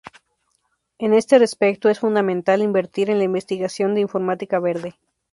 En este respecto, es fundamental invertir en la investigación de informática verde.